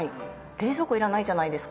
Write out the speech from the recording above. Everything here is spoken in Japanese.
冷蔵庫要らないじゃないですか。